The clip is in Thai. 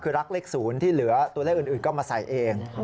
คือรักเลข๐ที่เหลือตัวเลขอื่นก็มาใส่เอง